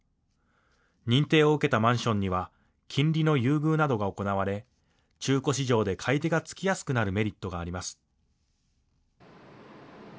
認定を受けたマンションには金利の優遇などが行われ中古市場で買い手がつきやすくなるメリットがあります。